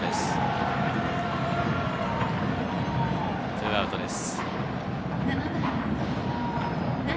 ツーアウトです。